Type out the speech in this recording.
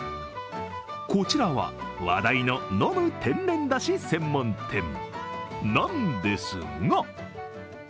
こちらは、話題の飲む天然だし専門店なんですが。